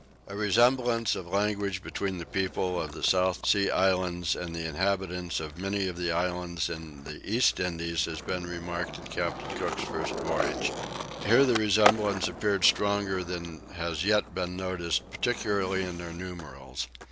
A resemblance of language between the people of the South Sea islands and the inhabitants of many of the islands in the East Indies has been remarked in Captain Cook's first voyage. Here the resemblance appeared stronger than has yet been noticed; particularly in their numerals.